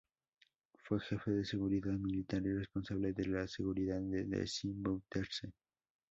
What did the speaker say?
Fue jefe de seguridad militar y responsable de la seguridad de Desi Bouterse.